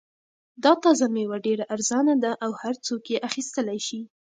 دا تازه مېوه ډېره ارزان ده او هر څوک یې اخیستلای شي.